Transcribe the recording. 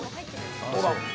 どうだ。